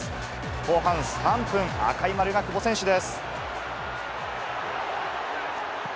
後半３分、赤い丸が久保選手です。